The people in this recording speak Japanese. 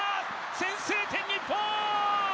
先制点、日本！